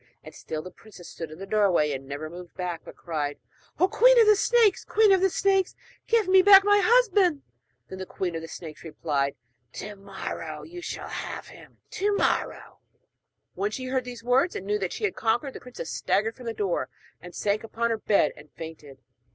And still the princess stood in the doorway and never moved, but cried again: 'Oh, Queen of Snakes, Queen of Snakes, give me back my husband!' Then the queen of snakes replied: 'To morrow you shall have him to morrow!' When she heard these words and knew that she had conquered, the princess staggered from the door, and sank upon her bed and fainted.